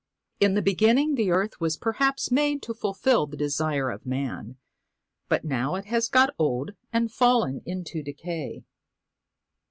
In the beginning the earth was perhaps made to fulfil the desire of man, but now it has got old and fallen into decay.